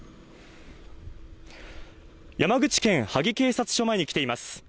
山口県萩警察署前に来ています。